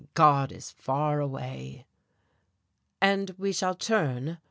And God is far away." "And we shall turn?"